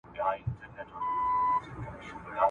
زه له خوبه څه را ویښ سوم